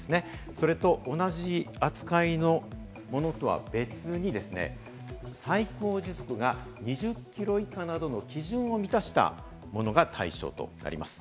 それと同じ扱いの物とは別に、最高時速が２０キロ以下などの基準を満たしたものが対象となります。